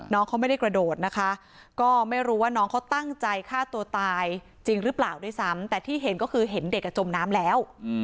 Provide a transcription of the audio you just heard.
น้องเขาไม่ได้กระโดดนะคะก็ไม่รู้ว่าน้องเขาตั้งใจฆ่าตัวตายจริงหรือเปล่าด้วยซ้ำแต่ที่เห็นก็คือเห็นเด็กจมน้ำแล้ว